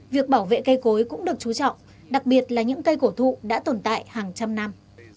việc bảo vệ cây cối cũng được chú trọng đặc biệt là những cây cổ thụ đã tồn tại hàng trăm năm